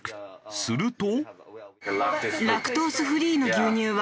すると。